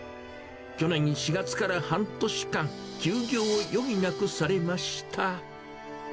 去年４月から半年間、休業を余儀なくされました。